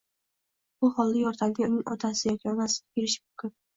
bu holda yordamga uning onasi yoki qaynonasi kelishi mumkin.